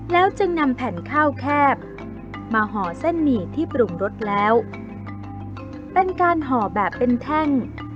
แล้วจึงนำแผ่นข้าวแคบมาห่อเส้นหมี่ที่ปรุงรสแล้วเป็นการห่อแบบเป็นแท่ง